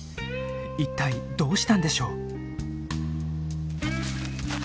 いったいどうしたんでしょう？